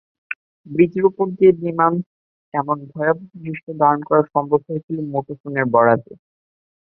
ব্রিজের ওপর দিয়ে বিমানএমন ভয়াবহ দৃশ্য ধারণ করা সম্ভব হয়েছিল মুঠোফোনের বরাতে।